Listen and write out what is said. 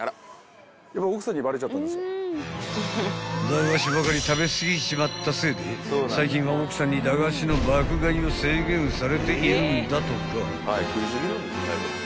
［駄菓子ばかり食べ過ぎちまったせいで最近は奥さんに駄菓子の爆買いを制限されているんだとか］